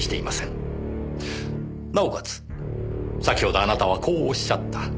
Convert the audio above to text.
なおかつ先ほどあなたはこう仰った。